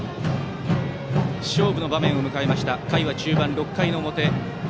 勝負の場面を迎えました回は中盤、６回の表。